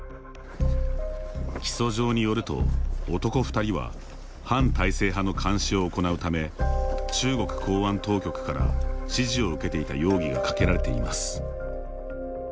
起訴状によると男２人は反体制派の監視を行うため中国公安当局から指示を受けていた容疑がかけられています。